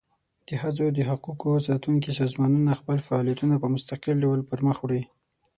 د ښځو د حقوقو ساتونکي سازمانونه خپل فعالیتونه په مستقل ډول پر مخ وړي.